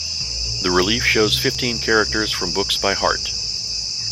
The relief shows fifteen characters from books by Harte.